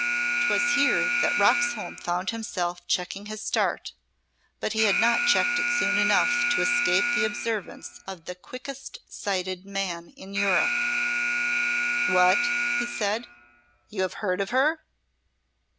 'Twas here that Roxholm found himself checking his start, but he had not checked it soon enough to escape the observance of the quickest sighted man in Europe. "What!" he said, "you have heard of her?"